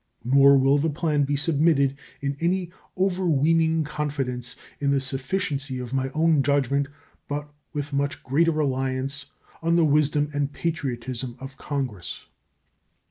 Nor will the plan be submitted in any overweening confidence in the sufficiency of my own judgment, but with much greater reliance on the wisdom and patriotism of Congress.